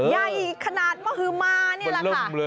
ใยขนาดมะหืมมานี่แหละค่ะ